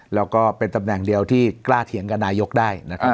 แล้วก็เป็นตำแหน่งเดียวที่กล้าเถียงกับนายกได้นะครับ